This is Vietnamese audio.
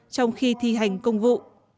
trong khi thi hành công vụ